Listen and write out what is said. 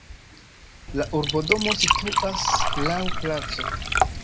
La urbodomo situas laŭ placo.